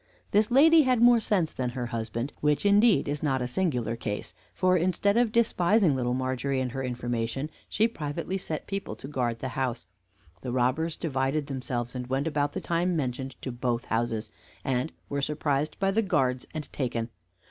This lady had more sense than her husband which indeed is not a singular case; for instead of despising Little Margery and her information, she privately set people to guard the house. The robbers divided themselves, and went about the time mentioned to both houses, and were surprised by the guards and taken.